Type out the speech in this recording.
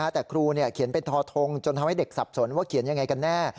แต่ครูเขียนเป็นทอทงจนทำให้เด็กสับสนว่าเขียนยังไงกันแน่